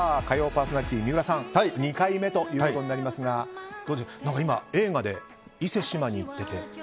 パーソナリティー三浦さん２回目ということになりますが何か今、映画で伊勢志摩に行ってて。